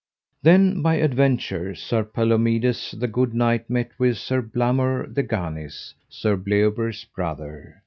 Then by adventure Sir Palomides, the good knight, met with Sir Blamore de Ganis, Sir Bleoberis' brother.